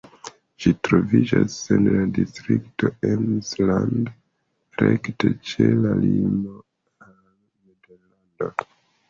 Ĝi troviĝas en la distrikto Emsland, rekte ĉe la limo al Nederlando.